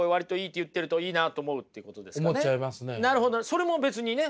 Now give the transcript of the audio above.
それも別にね